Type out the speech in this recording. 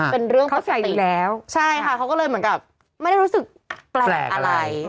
เป็นเรื่องปกติแล้วใช่ค่ะเขาก็เลยเหมือนกับไม่ได้รู้สึกแปลกอะไร